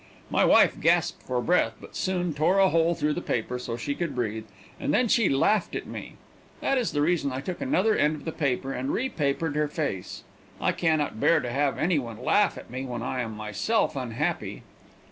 My wife gasped for breath, but soon tore a hole through the paper so she could breathe, and then she laughed at me. That is the reason I took another end of the paper and repapered her face. I can not bear to have any one laugh at me when I am myself unhappy.